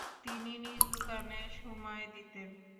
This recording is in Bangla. তিনি নিজ দোকানে সময় দিতেন।